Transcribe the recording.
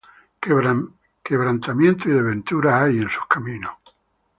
Quebrantamiento y desventura hay en sus caminos;